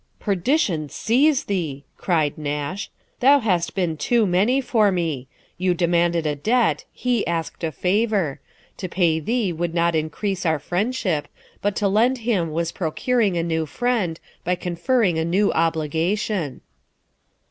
" Perdition seize thee !" cried Nash, " thou hast been too many for me. You demanded a debt, he asked a favour : to pay thee would not increase our friendship ; but to lend him was procuring a new friend, by conferring a new obligation."